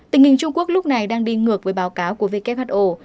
tình hình trung quốc lúc này đang đi ngược với báo cáo của who